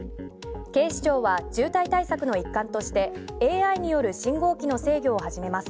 警視庁は渋滞対策の一環としてＡＩよる信号機の制御を始めます。